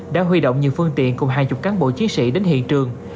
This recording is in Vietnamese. đã huy động những phương tiện cùng hai mươi cán bộ chiến sĩ đến hiện trường